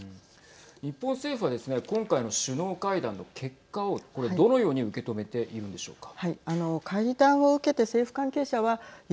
日本政府はですね今回の首脳会談の結果をこれ、どのように受け止めているんでしょうか。